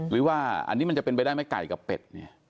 หรือว่าอันนี้มันจะเป็นไปได้ไหมไก่กับเป็ดเนี่ย